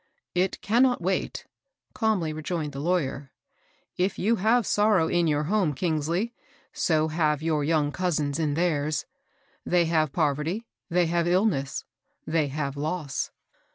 "It cannot wait," calmly rejoined the law yer. " If you have sorrow in your home, Eangsley, so have your young cousins in theirs. They have poverty, they have illness, they have loss.